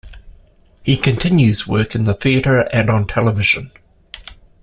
He continues work in the theatre and on television.